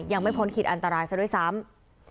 พ้นขีดอันตรายซะด้วยซ้ำ